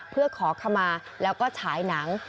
เพื่อขอขมาแล้วก็ฉายหนัง